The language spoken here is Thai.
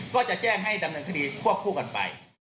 ก็จะแจ้งให้ดำเนินคดีควบคู่กันไป